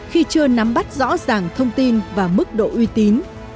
khi chưa nắm bắt rõ ràng thông tin và mức độ uy tín